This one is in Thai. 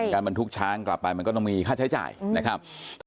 การบรรทุกช้างกลับไปมันก็ต้องมีค่าใช้จ่ายนะครับ